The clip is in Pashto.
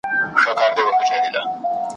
خلکو آباد کړل خپل وطنونه ,